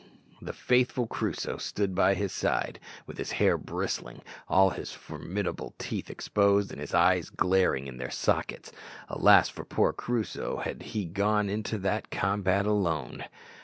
The faithful Crusoe stood by his side, with his hair bristling, all his formidable teeth exposed, and his eyes glaring in their sockets. Alas for poor Crusoe had he gone into that combat alone!